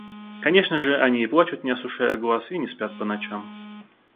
Конечно же, они и плачут не осушая глаз, и не спят по ночам.